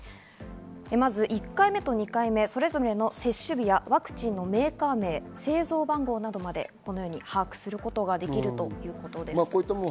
１回目と２回目、それぞれの接種日やワクチンのメーカー名、製造番号などまで、このように把握することができます。